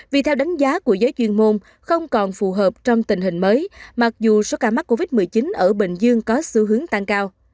vì theo đánh giá của giới chuyên môn không còn phù hợp trong tình hình mới mặc dù số ca mắc covid một mươi chín ở bình dương có xu hướng tăng cao